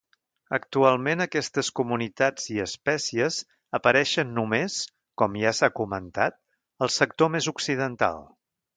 Actualment aquestes comunitats i espècies apareixen només, com ja s'ha comentat, al sector més occidental.